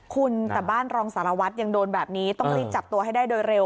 คุณแต่บ้านรองสารวัตรยังโดนแบบนี้ต้องรีบจับตัวให้ได้โดยเร็ว